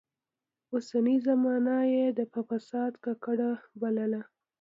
اوسنۍ زمانه يې په فساد ککړه بلله.